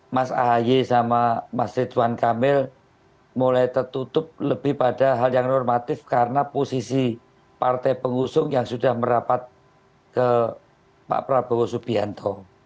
mas ahaye sama mas rituan kamil mulai tertutup lebih pada hal yang normatif karena posisi partai pengusung yang sudah merapat ke pak prabowo subianto